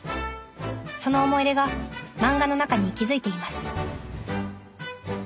その思い出が漫画の中に息づいています